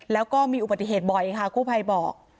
แล้วก็มีอุบัติเหตุบ่อยค่ะกู้ภัยบอก